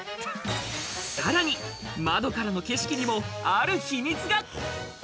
さらに窓からの景色にもある秘密が。